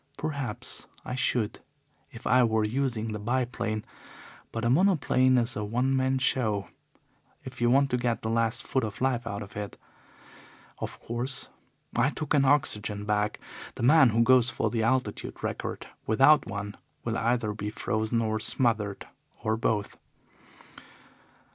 Perhaps I should if I were using the biplane, but a monoplane is a one man show if you want to get the last foot of life out of it. Of course, I took an oxygen bag; the man who goes for the altitude record without one will either be frozen or smothered or both.